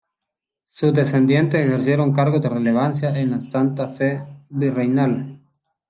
Sus descendientes ejercieron cargos de relevancia en la Santa Fe virreinal.